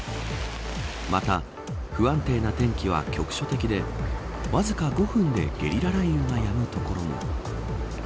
また、不安定な天気は局所的でわずか５分でゲリラ雷雨がやむ所も。